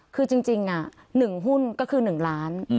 คือจริงจริงอ่ะหนึ่งหุ้นก็คือหนึ่งล้านอืม